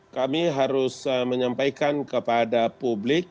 kami harus menyampaikan kepada publik